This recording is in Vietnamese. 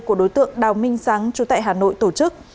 của đối tượng đào minh sáng chú tại hà nội tổ chức